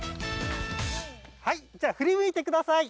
はいじゃあふり向いてください。